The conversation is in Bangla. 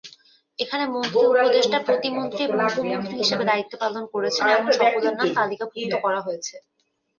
এখানে মন্ত্রী, উপদেষ্টা, প্রতিমন্ত্রী এবং উপমন্ত্রী হিসেবে দায়িত্ব পালন করেছেন এমন সকলের নাম তালিকাভূক্ত করা হয়েছে।